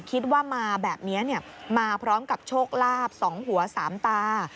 คิดว่ามาแบบนี้มาพร้อมกับโชคลาภ๒หัว๓ตา